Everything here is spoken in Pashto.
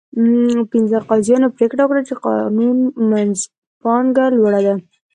پنځو قاضیانو پرېکړه وکړه چې قانون منځپانګه لوړه ده.